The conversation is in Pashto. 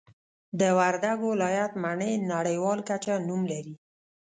د وردګو ولایت مڼې نړیوال کچه نوم لري